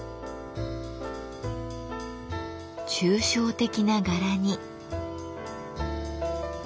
抽象的な柄に。